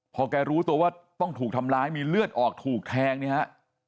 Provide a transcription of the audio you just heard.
พอแกรู้ตัวว่าต้องถูกทำร้ายมีเลือดออกถูกแทงเนี่ยฮะ